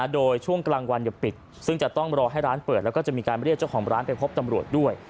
โดยช่วงกลางวันอย่าปิดซึ่งจะต้องรอให้ร้านเปิดแล้วก็จะมีการเรียกเจ้าของร้านไปพบตำรวจด้วย